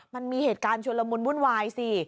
มันมีเหตุการณ์ชุลมุนวุ่นวายสิ